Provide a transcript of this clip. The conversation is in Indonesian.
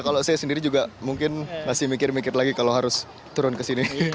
kalau saya sendiri juga mungkin masih mikir mikir lagi kalau harus turun ke sini